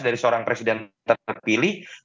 dari seorang presiden terpilih